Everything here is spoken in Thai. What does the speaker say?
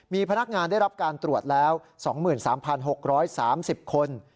มีพนักงานได้รับการตรวจแล้ว๒๓๖๓๐คน